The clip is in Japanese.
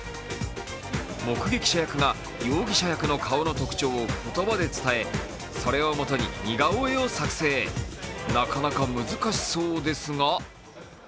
目撃者役が容疑者役の顔の特徴を言葉で伝えそれをもとに、似顔絵を作成なかなか難しそうですが。